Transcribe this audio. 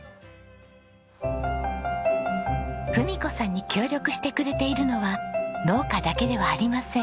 郁子さんに協力してくれているのは農家だけではありません。